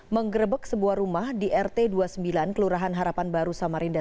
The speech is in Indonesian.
menggerebek sebuah rumah di rt dua puluh sembilan kelurahan harapan baru samarinda